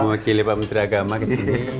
memakili pak menteri agama di sini